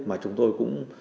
mà chúng tôi cũng